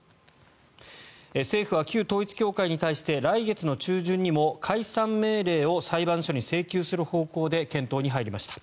政府は旧統一教会に対して来月の中旬にも解散命令を裁判所に請求する方向で検討に入りました。